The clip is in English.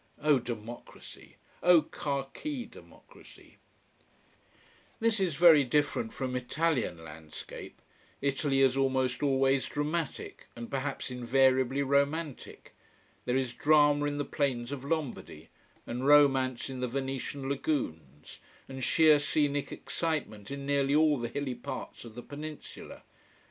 Oh democracy! Oh khaki democracy! This is very different from Italian landscape. Italy is almost always dramatic, and perhaps invariably romantic. There is drama in the plains of Lombardy, and romance in the Venetian lagoons, and sheer scenic excitement in nearly all the hilly parts of the peninsula.